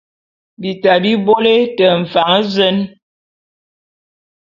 Bita bi bôle te mfan zen !